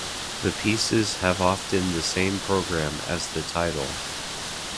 The pieces have often the same program as the title.